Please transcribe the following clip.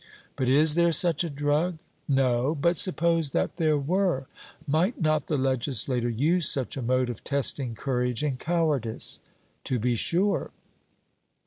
'But is there such a drug?' No; but suppose that there were; might not the legislator use such a mode of testing courage and cowardice? 'To be sure.'